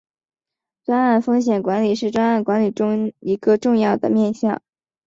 专案风险管理是专案管理中一个重要的面向。